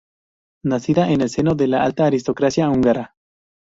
Nacida en el seno de la alta aristocracia húngara.